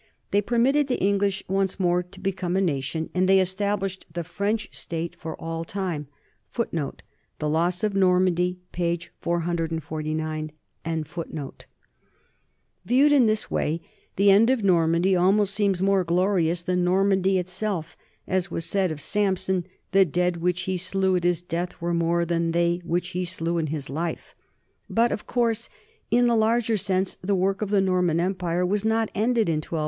They permitted the English once more to become a nation, and they established the French state for all time." 1 Viewed in this way, the end of Normandy almost seems more glorious than Normandy itself; as was said of Samson, "the dead which he slew at his death were more than they which he slew in his life." But of course in the larger sense the work of the Norman em pire was not ended in 1204.